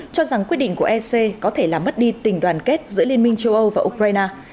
cho rằng quyết định của ec có thể làm mất đi tình đoàn kết giữa liên minh châu âu và ukraine